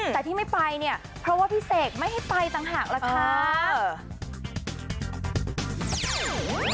แต่ที่ไม่ไปเนี่ยเพราะว่าพี่เสกไม่ให้ไปต่างหากล่ะค่ะ